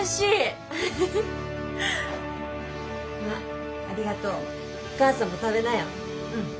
わっありがとう。